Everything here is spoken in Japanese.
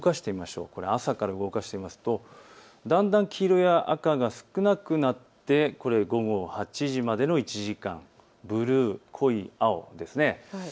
動かすと、だんだん黄色や赤が少なくなって午後８時までの１時間、濃い青です。